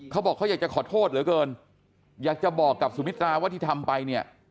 เขาบอกเขาอยากจะขอโทษเหลือเกินอยากจะบอกกับสุมิตราว่าที่ทำไปเนี่ย